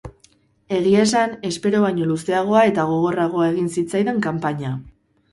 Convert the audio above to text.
Egia esan, espero baino luzeagoa eta gogorragoa egin zitzaidan kanpaina.